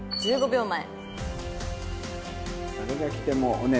１０秒前。